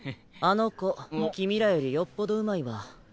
あの子君らよりよっぽどうまいわ。